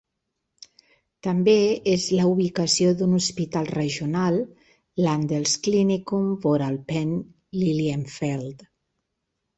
També és la ubicació d'un hospital regional, Landesklinikum Voralpen Lilienfeld.